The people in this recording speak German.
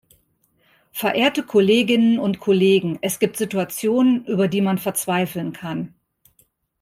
Verehrte Kolleginnen und Kollegen, es gibt Situationen, über die man verzweifeln kann.